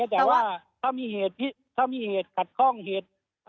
แต่ว่าถ้ามีเหตุขัดข้องเหตุ